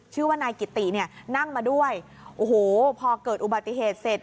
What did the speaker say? ชื่อว่าไน่กิตตินั่งมาด้วยพอเกิดอุบัติเหตุเสร็จ